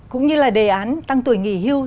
cũng như là đề án tăng tuổi nghỉ hưu